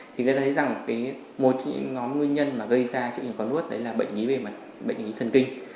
thì ta thấy rằng một trong những nguyên nhân gây ra triệu chứng khó nuốt là bệnh lý về mặt thần kinh